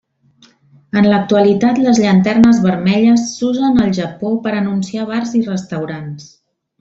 En l'actualitat les llanternes vermelles s'usen al Japó per anunciar bars i restaurants.